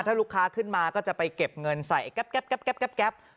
ถ้าลูกค้าขึ้นมาก็จะไปเก็บเงินใส่แก๊ป